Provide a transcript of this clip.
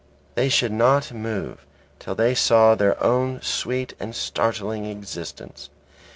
They should not move till they saw their own sweet and startling existence.